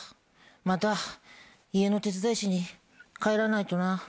また家の手伝いしに帰らないとな。